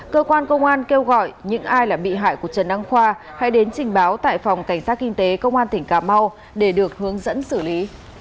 cơ quan công an kêu gọi những ai là bị hại của trần đăng khoa hãy đến trình báo tại phòng cảnh sát kinh tế công an tỉnh cà mau để được hướng dẫn xử lý